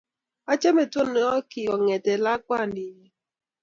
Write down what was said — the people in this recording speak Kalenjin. achame tyenwokik kongete lakwandinyu